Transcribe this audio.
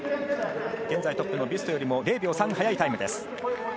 現在トップのビュストよりも０秒３速いタイムです。